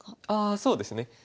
ああそうですね。